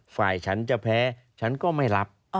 ฝ่ายฉันจะแพ้ฉันก็ไม่รับ